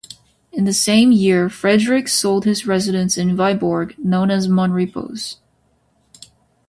In the same year, Frederick sold his residence in Vyborg, known as Monrepos.